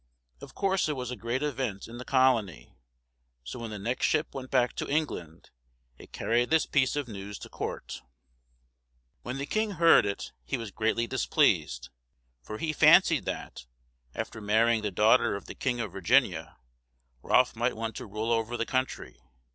Of course it was a great event in the colony, so when the next ship went back to England it carried this piece of news to court. [Illustration: Marriage of Pocahontas.] When the king heard it he was greatly displeased, for he fancied that, after marrying the daughter of the King of Virginia, Rolfe might want to rule over the country.